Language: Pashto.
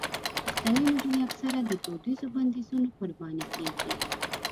پښتنې نجونې اکثره د دودیزو بندیزونو قرباني کېږي.